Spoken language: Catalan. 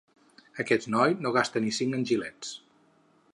Aquest noi no gasta ni cinc en gilets.